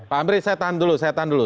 pak amri saya tahan dulu